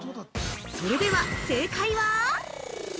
◆それでは、正解は？